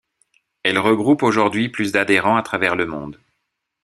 Elle regroupe aujourd'hui plus de adhérents à travers le monde.